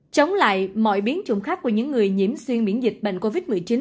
chống lại mọi biến chủng khác của những người nhiễm xuyên miễn dịch bệnh covid một mươi chín